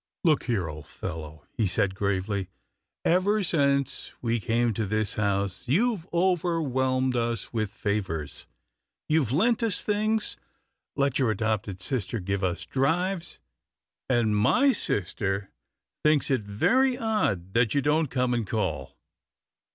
" Look here, old fellow," he said gravely, " ever since we came to this house, you've overwhelmed us with favours. You've lent us things, let your adopted sister give us drives, and my sister thinks it very odd that you don't come and call.